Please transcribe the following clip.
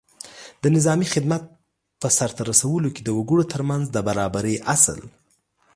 د نظامي خدمت په سرته رسولو کې د وګړو تر منځ د برابرۍ اصل